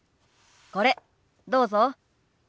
これどうぞ。